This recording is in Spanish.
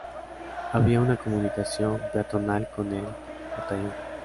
Había una comunicación peatonal con el Batallón.